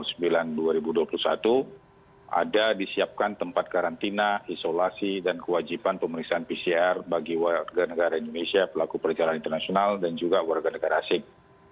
kemudian surat edaran nomor sembilan dua ribu dua puluh satu ada disiapkan tempat karantina isolasi dan kewajiban pemeriksaan pcr bagi warga negara indonesia pelaku perjalanan internasional dan juga warga negara asing